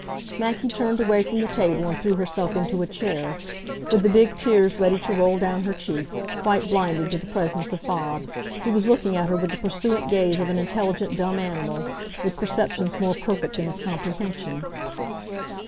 Maggie turned away from the table and threw herself into a chair, with the big tears ready to roll down her cheeks, quite blinded to the presence of Bob, who was looking at her with the pursuant gaze of an intelligent dumb animal, with perceptions more perfect than his comprehension.